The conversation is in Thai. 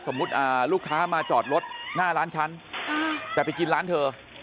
ลูกค้ามาจอดรถหน้าร้านฉันแต่ไปกินร้านเธอ